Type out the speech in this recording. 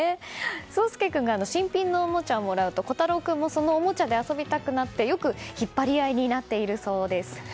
蒼佑君が新品のおもちゃをもらうと、虎太郎君もそのおもちゃで遊びたくなってよく引っ張り合いになっているそうです。